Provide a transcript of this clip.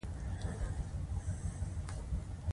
چې نازنين غټه شوې نه وي.